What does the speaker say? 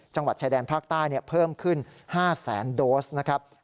จังหวัดชายแดนภาคใต้เพิ่มขึ้น๕แสนโดสนะครับ